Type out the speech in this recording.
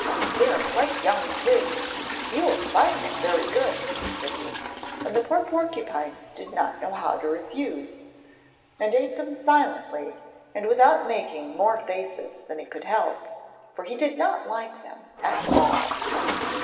'They are quite young twigs you will find them very good,' said he, and the poor porcupine did not know how to refuse, and ate them silently and without making more faces than he could help, for he did not like them at all.